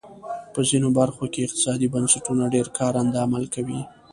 په ځینو برخو کې اقتصادي بنسټونه ډېر کارنده عمل کوي.